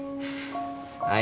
はい。